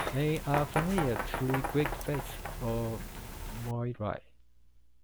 They are similar to the Greek Fates or Moirai.